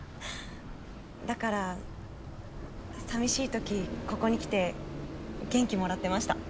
だからさみしいときここに来て元気もらってました。